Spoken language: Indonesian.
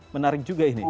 menarik juga ini